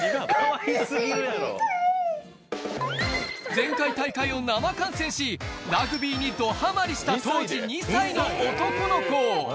前回大会を生観戦し、ラグビーにどハマりした当時２歳の男の子。